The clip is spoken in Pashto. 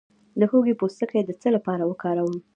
د هوږې پوستکی د څه لپاره وکاروم؟